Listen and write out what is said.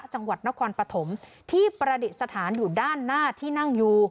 จังหวัดนครปฐมที่ประดิษฐานอยู่ด้านหน้าที่นั่งอยู่